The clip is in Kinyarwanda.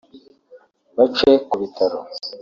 bace ku bitaro